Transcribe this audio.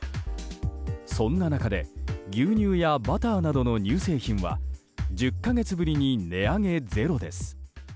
そんな中で牛乳やバターなどの乳製品は１０か月ぶりに値上げゼロです。